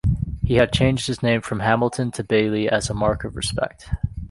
He had changed his name from Hamilton to Baillie as a mark of respect.